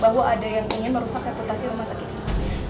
bahwa ada yang ingin merusak reputasi rumah sakit